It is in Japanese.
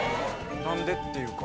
なんでっていうか。